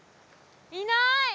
いない！